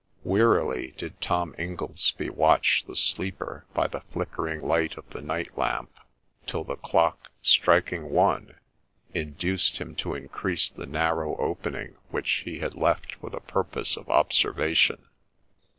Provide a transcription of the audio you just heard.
Wearily did Tom Ingoldsby watch the sleeper by the flickering light of the night lamp, till the clock striking one, induced him to increase the narrow opening which he had left for the purpose of observation.